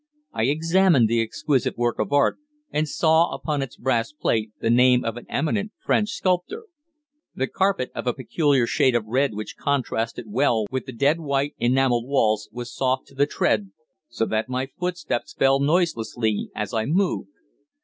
I examined the exquisite work of art, and saw upon its brass plate the name of an eminent French sculptor. The carpet, of a peculiar shade of red which contrasted well with the dead white enamelled walls, was soft to the tread, so that my footsteps fell noiselessly as I moved.